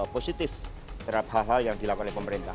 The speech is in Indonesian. positif terhadap hal hal yang dilakukan oleh pemerintah